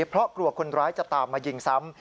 เพราะกลัวคนร้ายจะตามมายิงซ้ำ